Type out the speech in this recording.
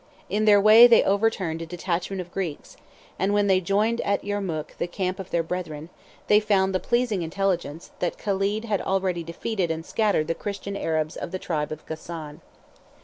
In their way they overturned a detachment of Greeks, and when they joined at Yermuk the camp of their brethren, they found the pleasing intelligence, that Caled had already defeated and scattered the Christian Arabs of the tribe of Gassan.